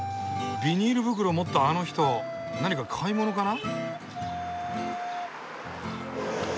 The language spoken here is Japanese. ビニール袋持ったあの人何か買い物かな？